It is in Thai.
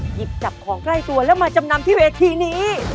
หยิบจับของใกล้ตัวแล้วมาจำนำที่เวทีนี้